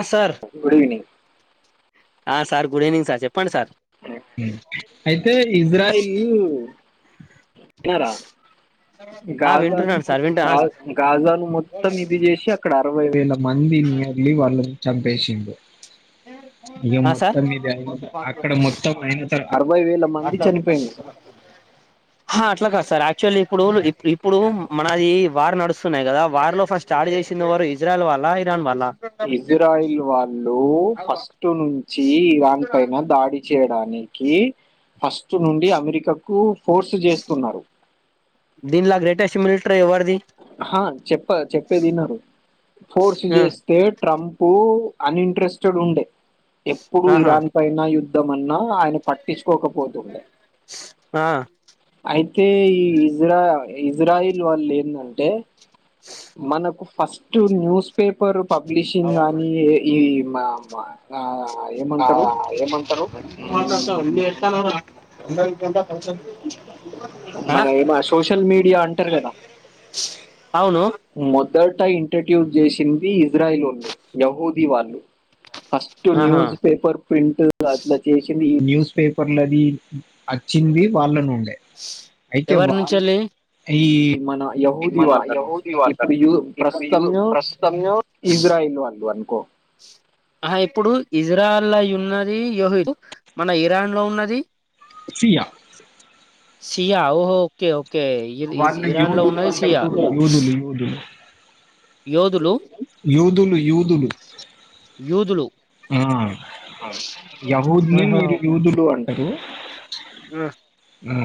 ఆ sir good evening sir good evening sir చెప్ప sir అయితే ఇజ్రాయిల్ తన్నారా ఆ గాజను వింటున్నాను సార్ వింటు గా గాజాలు మొత్తం ఇది చేసి అక్కడ అరవై వేల మంది నియర్లీ వాళ్ళ చంపేషిపుు ఇక మొత్తం ఇద ఆక్కడ మొత్తం సార్ హా అట్లా కాదు సార్క్చులీ ఇప్పుడు ఇప్పుడు మనది వార్ నడుస్తున్నాయి కదా వార్ లో ఫస్ట్ స్టార్ట్ చేసిన వారు ఇజ్రాయల్ వాల్ళ ఇరాన్ వాల్ల ఇజ్రాయిల్ వాళ్ళు ఫస్ట్ నుంచి దని పైన దాడి చేయడానికి కి ఫస్ట్ నుండి అమెరికాకు ఫోర్సు చేస్తున్నారు దీన్లా గ్రేటెస్ట్ మిలిటరీ వర్డ్ హా చెప్ప చెప్పేది నా [inaudible] ఫోర్స్ ఆ చేస్తే ట్రంప్ పో అన్ఇంట్రెస్టెడ్ ఉండే ఎప్పుడు ఆహా ఇరాన్ పైన యుద్ధం అన్నా ఆయన పట్టించుకోకపో పోతుండంది ఆ అయితే ఈ ఇజ్రా ఇజ్రాయిల్ వాళ్ళు లేన్నారు అంటే మనకు ఫస్ట్ న్యూస్ పేపర్ పబ్లిషింగ్ అని ఈ మా అమ్మ ఆ ఆ ఏమంటారు ఏమంతారు మాస మ్మ్, అంది ఎస్తా ఫంక్షన్ మ ఏమ సోషల్ మీడియా అంటారు కదా అవును ఇద్ద ట ఇంట్రొడ్యూస్ చేసింది ఇజ్రాయిల్ వాళ్ళు యహూదిీ వాళ్ళు అస్టు ఆహా న్యూస్ పేపర్ ప్రింట్ అట్లా చేసిన్ న్యూస్ పేపర్లది వచ్చింది వాళ్ళను ఎవరి నుంచళ్ళి ఈ మన యహూద వాళ్ళక నుంచి ఇప్పుడుయు ప్రస్తుతయు ఇస్రాయేల్ వంది అ ఇడ ఉన్నది యుహై మన ఇరాన్ లో ఉన్నది ఫీయా సియా ఓహో ఓకే ఓకే వాళ్ళు ఇరాన్ లో యోదులు ఉన్నది అంట సియా యుదులు యుదులు యోధులు యూదులు యూదులు యోదులు ఆ యవుద్ని ఆహా, యోదులు అన్ రు ఆ ఆ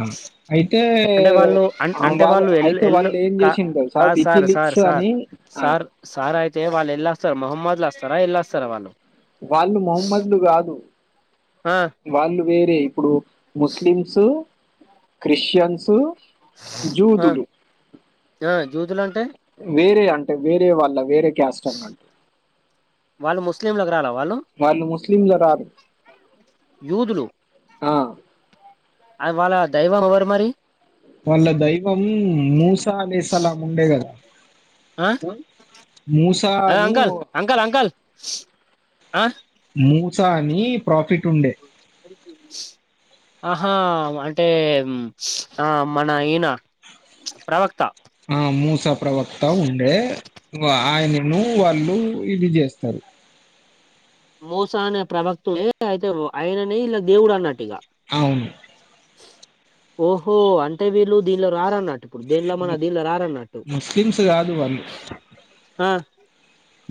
అయితే అంటే వాళ్ళు అ అంటే వాళ్ళు ఎల్ అయితే ఎల్ వాళ్ళు ఏం కా చేసిండు తెలుసా కాదు సార్ సార్ వికిలిక్స్ సార్ అని ఆ సర్ మహమద్లాస్తా ఇల్లాస్తార వాళ్ళు వాళ్ళు మహమ్మద్లు కాదు ఆ వాళ్ళు వేరే ప్పుడు ముస్లిమ్స్ క్రిస్టియన్సు జూదులు యూదులు అంటే వేరే అంటే వేరే వాల్ళ వేరే క్యాస్ట్ అనమాట వాళ్ళు ముస్లింలకు రాలా వాళ్ళు ముస్లింలు రాదు యూదులు ఆ అది వాళ్ళ దైవం ఎవ్వరు మరి వాళ్ళ దైవం మూసా దేశాలా ఉండే కదా ఆ మూసా అని ఓ అ మూసా అని ప్రాఫిట్ ఉండే ఆహా అంటే ఆ మన ఈయన ప్రవక్త ఆ మూసా ప్రవక్త ఉండే ఆయనను వాళ్ళు ఇది చేస్తారు మోసా అనే ప్రభక్తుడే అయితే ఆయననే ఇలా దేవుడు అన్నట్టు ఇగ అవును ఓహో అంటే వీళ్ళు దీనిలో రారన్నట్ ము ముస్లిమ్స్ కాదు వాళ్ళు ఆ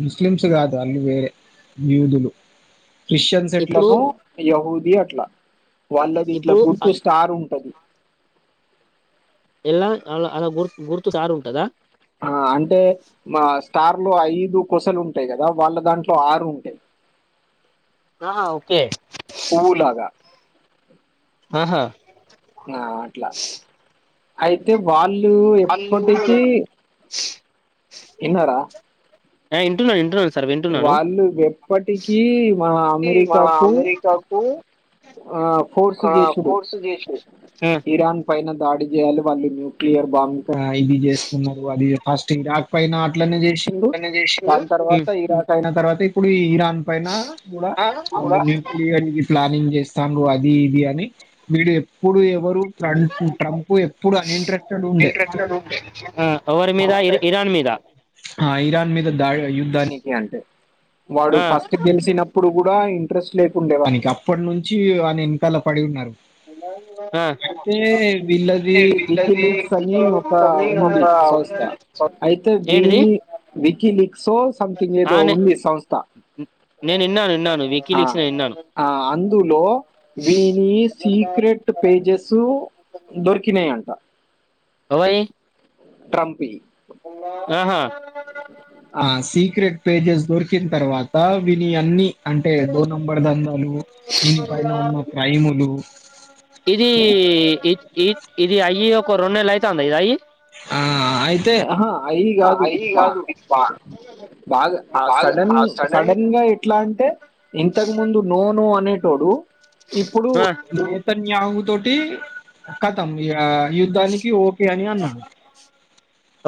ముస్లిమ్స్ చి కాదు అళు వేరే యుదులు క్రిష్టియన్స్ ఇప్పుడు ఎట్లనో యవుద్ ఇగ అట్లా వాళ్లది ఇట్ల ఇప్పుడు గుర్తు స్టార్ ఉంటది ఎలా అలా అలా గుర్తు గుర్తు స్టార్ ఉంటదా ఆ అంటే మా టార్ లో ఐదు కొసలు ఉంటాయి కదా వాళ్ళ దాంట్లో ఆరు ఉంటాయి ఆ ఓకే పువ్వులాగా ఆహా నా అట్లా అయితే వాళ్ళు ళ్లు ఎప్పటికి ఇనరా ఎ ఇంటూన ఇంటూ వాళ్ళు ఎప్పటికీ మా అమెరికాకు ఆ ఫోర్స్ చేసుడు ఆ ఇరాన్ ప పైన దాడి చేయాలి వాళ్ళు న్యూక్లియర్ బాంబు ఆ ఇది చేస్తున్నారు అది ఎ ఫాస్టింగ్ రాకపోయినా అట్లనే జేస్ శిండు దాని ఉమ్ తర్వాత ఈ రాకయిన తర్వాత ఇపుడు ఈ ఇరా పైన కూడా మేం క్లియర్ జేస్ ప్లానింగ్ చేస్ స్థండు అది ఇది అని మీడి ప్పుడు ఎవరు ట్రంప్ ట్రంప్ ఎప్పుడు అన్ఇంట్రెక్టెడ్ ఉండే ఆ ఎవరి మీద ఇ ఇరాన్ మీద ఆ ఇరా మీద దాడి యుద్ధానికి అంటే వాడు ఆ ఫస్ట్ గెలిచినప్పుడు కూడా ఇంట్రెస్ట్ లేకుండే వానికి అప్పటి నుం నుంచి వాని ఎనకాల పడి ఉన్నారు ఆ అయితే వీళ్ళది వికీలిక్స్ అని ఒక ఉంది సంస్థ అయితే వీ ఏంటిది వికీలిక్స్ ఆ నే నేను విన్నాను విన్నాను వికీలీక్స్ నేను విన్నాను ఇందులో వీని సీక్రెట్ పేజెస్ దొరికినాయంట అవయి ట్రంపి ఆహా ఆ సీక్రెట్ పేజెస్ దొరికిన తర్వాత విని అన్ని అంటే డోర్ నంబర్ దందాలు దీనిపైన ఉన్న ప్రైములు ఇది ఇది ఇది అయ్యి ఒక రెం నెలలు అయితాంద ఇది అయి ఆ అయితేహా అయి కాదు ఇది బా బాగా సడన్ సడన్ గా ఎట్లా అంటే ఇంతకు ముందు నో నో అనే ో [inaudible] ఇప్పుడు ఆ నేతన్య తోటి కతం ఇగ యుద్ధానికి ఓకే అని అన్నాడు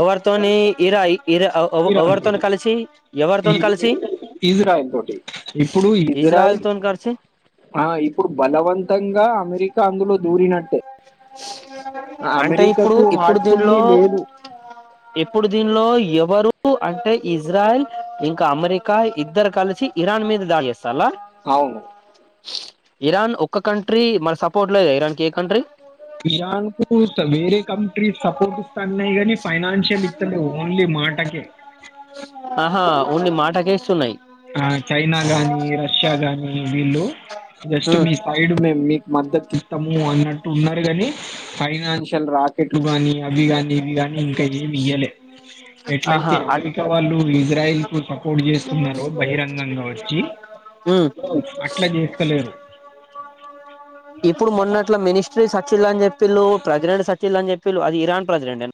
ఎవరితోని ఇరాజ ఇరాన్ తోటి ఎవరితోని కలిసి ఇజ్రాయల్ తోటి ఇప్పుడు ఇజ్రాయల్ తోని కలిసి ఇప్పుడు బలవంతంగా అమెరికా అందులో దూరినట్టే ఆ, అంటే ఇప్పుడు అమెరికాకు ఇప్పుడు హార్ట్ఫుల్లీ దీనిలో లేదు ఇప్పుడు దీనిలో ఎ ఎవరు అంటే ఇజ్రాయల్ ఇంకా అమెరికా ఇద్దరు కలిసి ఇరాన్ మీద దాడి చేస్తారా అవును ఇరాన్ ఒక్క కంట్రీ మన సపోర్ట్ లేదా ఇరాన్ ఏ కంట్రీ ఇయాంగ్పూర్ వేరే కంట్రీ సపోకిస్తా నీ ఫైనాన్షియల్ ఇతలే ఓన్లీ మాటక ఆహా ఓన్లీ మాటకేస్తున్నాయి ఆ చైనా గాని రష్యా గాని వీళ్ళు జస్ట్ మీ సైడ్ మేము మీకు మద్దతు ము అన్నట్టు ఉన్నారు కాని ఫైనాన్షియల్ రాకెట్ రుబాని అవి కానీ ఇవి కానీ ఇంకా ఏమి ఇయ్యలే ఎట్లయితే ఆహా అమెరికా వాళ్ళు ఇజ్రాయల్ కు సపోర్ట్ చేస్తున్నారు బహిరంగంగా వచ్చి అట్లా చేస్తలేరు సచిల్ అని చెప్పిలు ప్రసిడెంట్ సచిల్ అని చెపిల్లు అది ఇరాన్ ప్రసిడెట్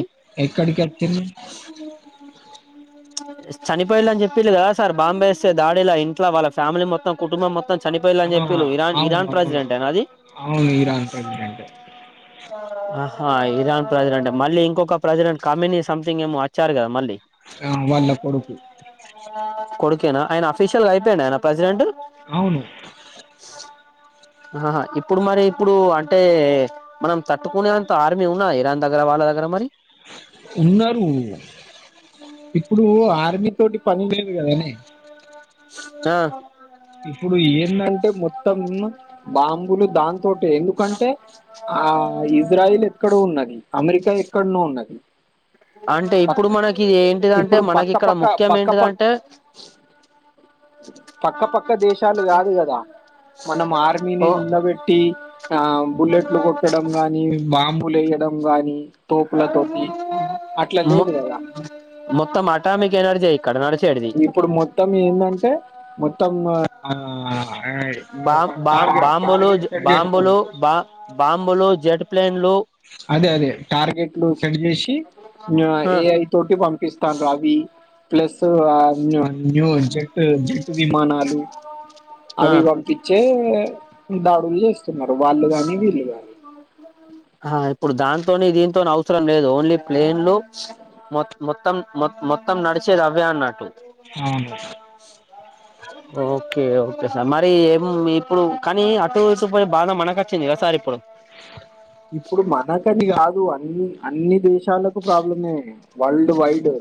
ఎ ఎక్కడికిచ్చన్నా చనిపోయిలాని చెప్పి కదా సార్ బాంబాయి ఇస్తే దాడిలా ఇంట్లో వాళ్ళ ఫ్యామిలీ మొత్తం కుటుంబం మొత్తం చనిపోయిళ్ళు అని ఆ చెప్పిళ్ళు ఇరాన్ అవును ఇరాన్ అవును ప్రెసిడెంటేనా అది అవును ఇరా అంటగడెంట ఆహా ఇరాన్ ప్రెసిడెంట్ మళ్ళీ ఇంకొక ప్రెసిడెంట్ కమనీ సంథింగ్ ఏమో వచ్చారు కదా మళ్ళీ ఆ! వాళ్ళ కొడుకు. కోడు కేనా ఆయ ఆఫీషిల్గా అయిడి ఆయ ప్రెసిడెట్ అవును ఆహా ఇప్పుడు మరి ఇప్పుడు అంటే మనం తట్టుకునేంత ఆర్మీ ఉన్నా ఇరాన్ దగ్గర వాళ్ళ దగ్గర మరి ఉన్నారు ఇప్పుడు ఆర్మీ తోటి పని లేదు కదానే ఆ ఇప్పుడు ఏంటంటే మొత్తం బాంబులు దాంతో ఎందుకంటే ఆ ఇజ్రాయిల్ ఎక్కడ ఉన్నది అమెరికా ఎక్కన్నో ఉన్నది అంటే ఇప్పుడు మనకి ఏంటిదంటే ఇప్పుడు మనకి పక్క ఇక్కడ పక్క ముఖ్యం పక్క ప ఏంటిదంటే పక్క పక్క దేశాలు కాదు కదా మనం ఆర్మీని ఓ నిలబెట్టి ఆ బుల్లెట్లు కొట్టడం గాని బాంబ లయ్యడం గాని అ ఉ అట్లా ము లేదు కదా ముొక్త్త మాటా మీ కేనర్జ ఇప్పుడు మొత్తం ఏంటంటే మొత్తం ఆ ఆ, బ ఒక బ టార్గెట్ బమ్ బో టార్గెట్ సెట్ బామ్ చేసుకోండి బో బా బమ్ బో జెట్ ప్లన్ అదే అదే టార్గెట్లు సెట్ చేసి ఆ ఏఐ తోటి పంపిస్తాను రవి ప్లస్ ఆ జెట్ జెట్ విమానలు ఆ అవి వంకిచ్చ దాడు చే న్నారురవాళదని వల్ళద ఆ ఇప్పుడు దాంతోని దీంతో అవసర లేదు ఓన్లీ ప్లేన్లు మొ మొత్తం మొత్తం నడిచేది అవ్య అన్నట్టు అవును ఓకే ఓకే సార్ మరి ఏం ఇప్పుడు కానీ అటు చుపోయి బాధ మనకు కచ్చి ని కద సార్ ఇప్పుడు ఇప్పుడు మనకని కాదు అని ఆ అన్ని దేశాలకు ప్రాబ్లమే వరల్డ్ వైడ్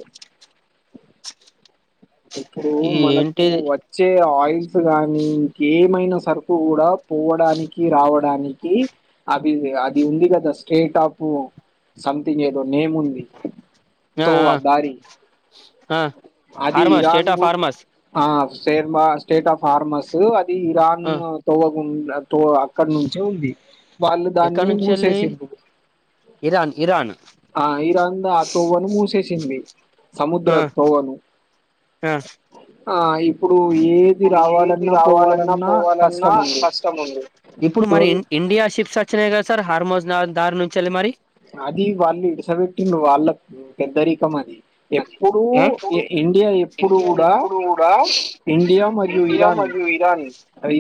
ఇప్పుడు ఈ మనకు ఏంటి వచ్చే ఆయిల్స్ గాని ఇంక ఏమైనా సరుకు కూడా పోవడానికి రావడానికి అది అది ఉంది కదా స్టేట్ ఆఫ్ సంథింగ్ ఏదో నేముంది ఆ తోవా దారి ఆ అది హార్మా ఇరాన్ స్టేట్ ఆఫ్ బూట్ హార్మాస్ ఆ సేర్మా స్టేట్ ఆఫ్ ఫార్మస్ అది ఇరాన్ ఆ తోవ ఉండదు తో అక్కడ నుంచే ఉంది వాళ్ళు ఎక్కడ దాన్ని నుంచి వెళ్ళి మూసేసిన ఇరాన్ ఇరాన్ ఆ ఈ రంద ఆ తోవ్ను మూసేసింది సముద్ర ఆ తోవను ఆ ఆ ఇప్పుడు ఏది రావాలన్నా పోవాలన్నా కష్టం ఉంది ఇప్పుడు మరి ఇండియా షిప్స్ వచ్చినాయి కదా సార్ హార్మో దారు నుంచి వెళ్లి మరి అది వాళ్ళు ఇడసబెట్టిం వాళ్ళ పెద్దరీకం అది ఎప్పుడు ఆ ఇండియా ఎప్పుడు కూడా ఇండియా మరియు ఇరాన్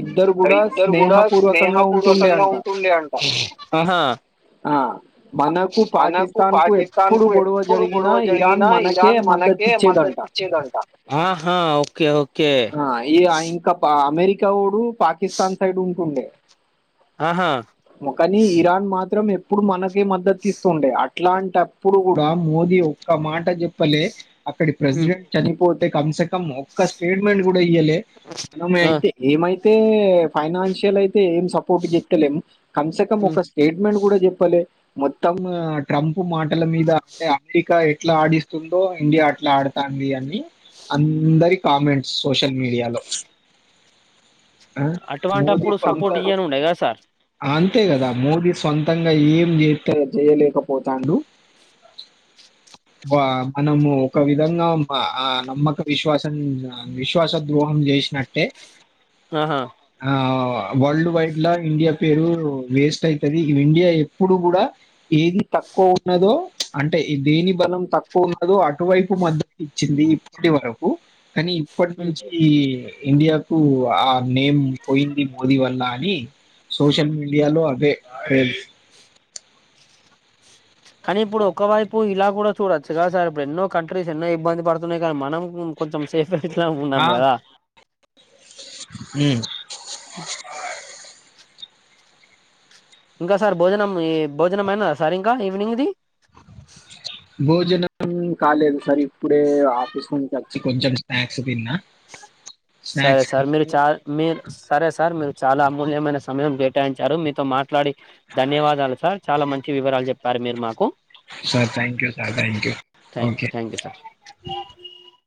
ఇద్దరు కూడా స్నేహపూర్వకంగా ఉంటుండే అంట ఆహా ఆ మనకు పాకిస్తాన్ కు ఎప్పుడు గొడవ జరిగినా ఇరా నా ఇరాన్ మనకే మద్దతు ఇచ్చేదంట ఆహా ఓకే ఓకే కా వోడు పాకిస్తాన్ సైడ్ ఉంటుండే ఆహా మా కానీ ఇరాన్ మా త్రం ఎప్పుడు మనకి మద్దతు ఇస్తుండే అ అట్లాంటప్పుడు కూడా మోదీ ఒక్క మాట చెప్పలే అక్కడి ఉమ్, ప్రెసిడెంట్ చని పోతే కమ్ సెక్ ఇ మొక్క స్టేట్మెంట్ కూడా ఇయ్యాలే మనమ ఆ అయితే ఏమైతే ఫైనాన్షియల్ అయితే ఏం సపోర్ట్ చేత్తలేం కంశకం ఉమ్, ఒక స్టేట్ మేడ్ కూడా చెప్పాలి మొత్తము ట్రం ప్ మాటల మీద అంటే అమెరికా ఏ ఎట్లా ఆడిస్తుందో ఇండియా అట్లా ఆడుతాంది అని అందరి కామెంట్స్ సోషల్ మీడియాలో హ్ అటువంటప్పుడు సపోర్ట్ ఇయ్యనుండే కదా సార్ అంతే కదా మోదీ సొంతంగా ఏం చెత్తే అది చేయలేకపోతాండు వా మనము ఒక విధంగా ఆ నమ్మక విశ్వాసం విశ్వాస ద్రోహం చేసినట్టే ఆహా ఆ వరల్డ్ వైడ్ లా ఇండియా పేరు వేస్ట్ అయి తది ఇండియా ఎప్పుడు కూడా ఏది తక్కువ ఉన్నదో అంటే దేని బలం తక్కువ ఉన్నదో అటువైపు మద్దతు ఇచ్చింది ఇప్పటి వరకు కానీ ఇప్పటి ఉమ్. నుంచి ఈ ఇండియాకు ఆ నేమ్ పోయింది మోదీ వల్ల అని సోషల్ మీడియాలో అవే టెల్స్ కానీ ఇప్పుడు ఒక వైపు ఇలా నువ్ కూడా చూడచ్చు కా సార్ ఇప్పుడు ఎన్నో కంట్రీస్ ఎన్నో ఇబ్బంది పడుతున్నాయి కానీ మనం నం కొంచం సేఫట్లా ఆ! ఉన్నాం కదా హ్మ్ ఇంకా సార్ భోజనం భోజనంమయినా దా సార్ ఇంకా ఈవినింగ్దిి భోజనం కాలేదు సార్ ఇప్పుడే ఆఫీస్ నుంచి వచ్చి కొంచెం స్నాక్స్ తిన్నా సరే స్నాక్స్ సార్ మీరు తిని చా మీర్ సరే సార్ మీర్ చాలా అమూల్యమైన సమయం కేటాయించారు మీతో మాట్లాడి ధన్యవాదాలు సార్ చాలా మంచి వివరాలు చెప్పారు మీరు మాకు sir thank you sir thank you thank okay thank you sir